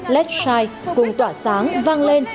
let s shine cùng tỏa sáng vang lên